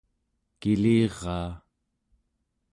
kiliraa